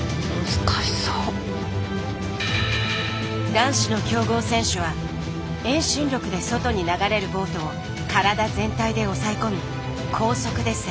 男子の強豪選手は遠心力で外に流れるボートを体全体で押さえ込み高速で旋回。